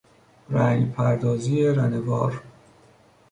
رنگپردازی رنوار